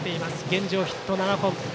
現状、ヒット７本。